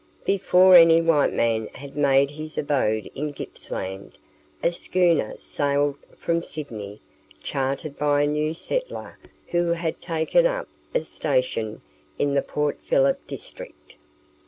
Before any white man had made his abode in Gippsland, a schooner sailed from Sydney chartered by a new settler who had taken up a station in the Port Phillip district.